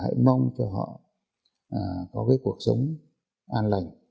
những cái điều kiện đó